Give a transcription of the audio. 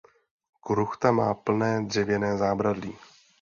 Kruchta má plné dřevěné zábradlí.